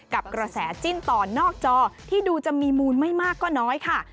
กับกระแสจิ้นต่อนอกจอที่ดูจะมีมูลไม่มากก็น้อยค่ะ